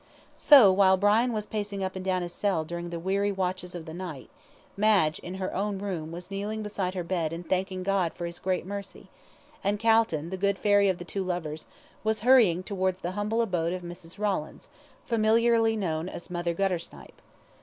So, while Brian was pacing up and down his cell during the weary watches of the night, Madge, in her own room, was kneeling beside her bed and thanking God for His great mercy; and Calton, the good fairy of the two lovers, was hurrying towards the humble abode of Mrs. Rawlins, familiarly known as Mother Guttersnipe.